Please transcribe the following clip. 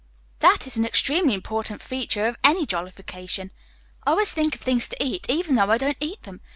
"That is an extremely important feature of any jollification. I always think of things to eat, even though I don't eat them.